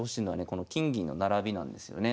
この金銀の並びなんですよね。